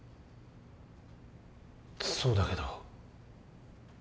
そうだけどでも。